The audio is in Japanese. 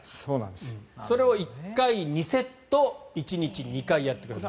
それを１回２セット１日２回やってください。